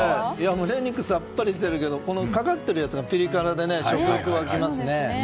胸肉さっぱりしてるけどかかっているやつがピリ辛で食欲がわきますね。